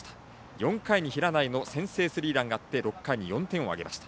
４回に平内の先制スリーランがあって６回に４点を挙げました。